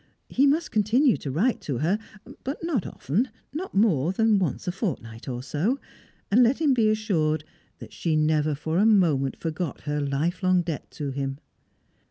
He must continue to write to her, but not often, not more than once a fortnight or so. And let him be assured that she never for a moment forgot her lifelong debt to him.